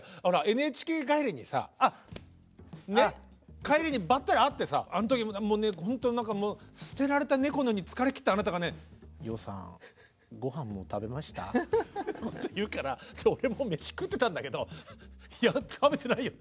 ＮＨＫ帰りにさ帰りにばったり会ってさあの時ほんとに何かもう捨てられた猫のように疲れきったあなたがねって言うから俺もう飯食ってたんだけど「いや食べてないよ」。